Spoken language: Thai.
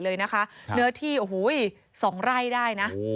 เนื้อที่สองไร้ได้นะ